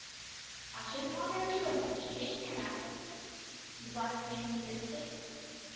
"I shouldn't wonder if she wasn't; but she ain't here, massa," said the black maid earnestly.